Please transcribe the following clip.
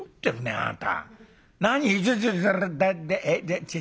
あなた。